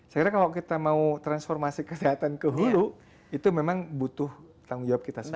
saya kira kalau kita mau transformasi kesehatan ke hulu itu memang butuh tanggung jawab kita semua